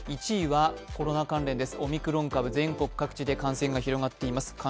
１位はコロナ関連です、オミクロン株、全国各地で感染が広がっています。